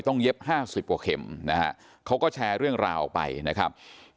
เย็บ๕๐กว่าเข็มนะฮะเขาก็แชร์เรื่องราวออกไปนะครับ